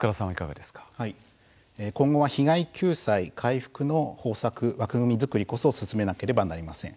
今後は被害救済回復の方策枠組み作りこそ進めなければなりません。